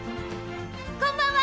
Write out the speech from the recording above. こんばんは！